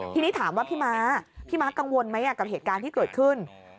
ทีนี้ถามว่าพี่ม้าพี่ม้ากังวลไหมกับเหตุการณ์ที่เกิดขึ้น